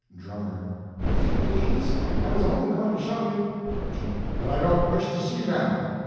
DRUMMER. If you please, I was only going to show you MERCHANT. But I don't wish to see them!